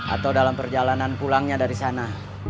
atau dalam perjalanan pulangnya dari sana